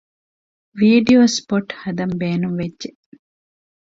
ވީޑިއޯ ސްޕޮޓް ހަދަން ބޭނުންވެއްޖެ